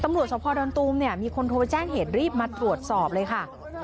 ตำรวจสวทธิ์พอร์ดอนตูมนี่มีคนโทรไปแจ้งเหตุรีบมาตรวจสอบเลยค่ะ